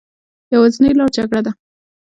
يوازينۍ لاره جګړه ده